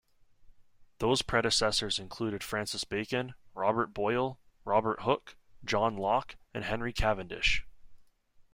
Those predecessors included Francis Bacon, Robert Boyle, Robert Hooke, John Locke, and Henry Cavendish.